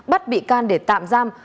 bắt bị can để tạm giam